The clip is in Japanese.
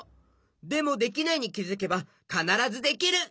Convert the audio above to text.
でもできないにきづけばかならずできる！